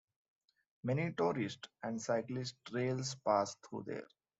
Many tourist and cyclist trails pass through there.